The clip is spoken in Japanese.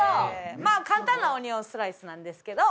まあ簡単なオニオンスライスなんですけど。